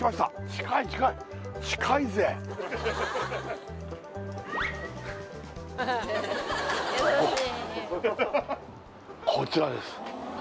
近い近い近いぜこここちらです